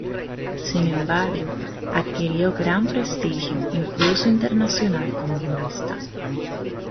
Sin embargo, adquirió gran prestigio, incluso internacional, como jurista.